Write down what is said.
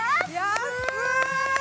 安い！